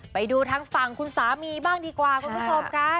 ไปดูทางฝั่งคุณสามีบ้างดีกว่าคุณผู้ชมค่ะ